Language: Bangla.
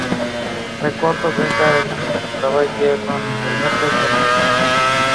আরে কতো বেকার এখানে, সবাই কি এখন হেলমেট বেচবে নাকি?